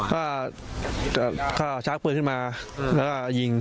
เขาก็ชักปืนขึ้นมาแล้วก็ยิง